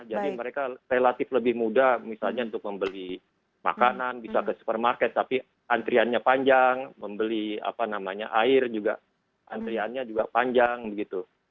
jadi mereka relatif lebih mudah misalnya untuk membeli makanan bisa ke supermarket tapi antriannya panjang membeli apa namanya air juga antriannya juga panjang gitu